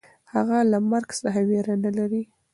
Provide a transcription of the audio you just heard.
هغه له مرګ څخه وېره نهلري.